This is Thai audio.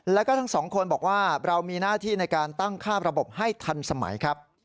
แล้วก็ทั้งสองคนบอกว่าเรามีหน้าที่ในการตั้งค่าระบบให้ทันสมัยครับ